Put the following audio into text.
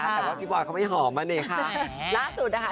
แต่ว่าพี่บอยเขาไม่หอมอ่ะนี่ค่ะล่าสุดนะคะ